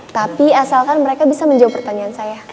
tapi asalkan mereka bisa menjawab pertanyaan saya